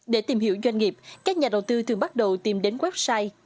để tìm hiểu doanh nghiệp các nhà đầu tư thường bắt đầu tìm đến website